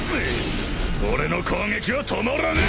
俺の攻撃は止まらねえ！